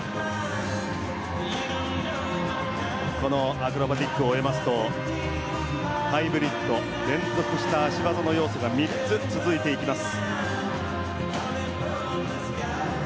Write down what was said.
アクロバティックを終えますとハイブリッド連続した脚技の要素が３つ続いていきます。